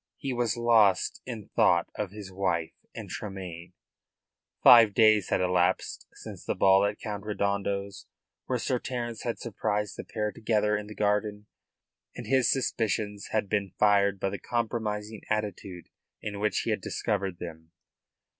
He was lost in thought of his wife and Tremayne. Five days had elapsed since the ball at Count Redondo's, where Sir Terence had surprised the pair together in the garden and his suspicions had been fired by the compromising attitude in which he had discovered them.